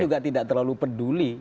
juga tidak terlalu peduli